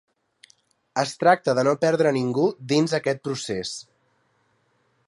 Es tracta de no perdre ningú dins aquest procés.